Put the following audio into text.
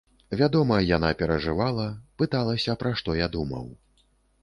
Вядома, яна перажывала, пыталася, пра што я думаў.